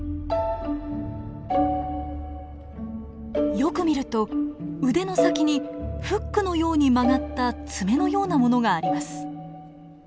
よく見ると腕の先にフックのように曲がった爪のようなものがあります。